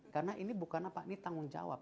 karena ini bukan apa ini tanggung jawab